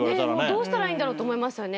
どうしたらいいんだろうと思いますよね。